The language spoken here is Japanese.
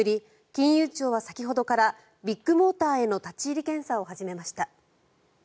金融庁は先ほどからビッグモーターへの立ち入り検査を始めました。